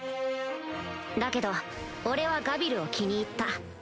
だけど俺はガビルを気に入った